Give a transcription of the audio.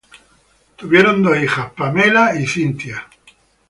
Tuvieron dos hijas, Pamela y Cynthia.